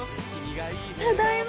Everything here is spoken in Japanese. ただいま。